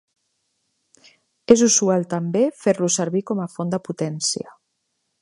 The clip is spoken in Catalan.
És usual també fer-lo servir com a font de potència.